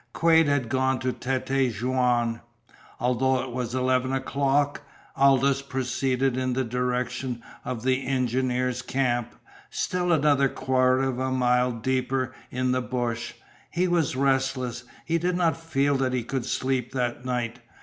Quade had gone to Tête Jaune. Although it was eleven o'clock, Aldous proceeded in the direction of the engineers' camp, still another quarter of a mile deeper in the bush. He was restless. He did not feel that he could sleep that night.